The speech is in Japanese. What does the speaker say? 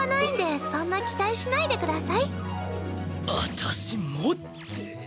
私「も」って。